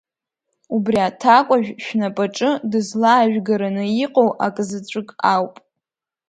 Убри аҭакәажә шәнапаҿы дызлаажәгараны иҟоу акзаҵәык ауп.